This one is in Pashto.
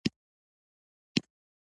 درې واړه جسما قوي خلک وه.